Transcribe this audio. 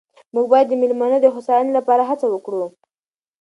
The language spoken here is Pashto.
موږ باید د مېلمنو د هوساینې لپاره هڅه وکړو.